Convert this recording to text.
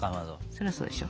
そらそうでしょ。